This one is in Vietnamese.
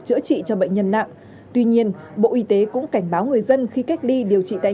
chữa trị cho bệnh nhân nặng tuy nhiên bộ y tế cũng cảnh báo người dân khi cách ly điều trị tại